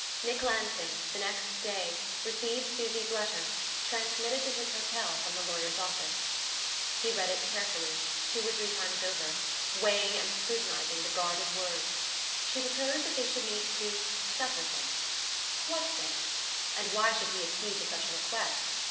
Nick Lansing, the next day, received Susy's letter, transmitted to his hotel from the lawyer's office. He read it carefully, two or three times over, weighing and scrutinizing the guarded words. She proposed that they should meet to "settle things." What things? And why should he accede to such a request?